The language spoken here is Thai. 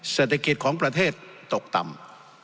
เศรษฐกิจของประเทศตกต่ำ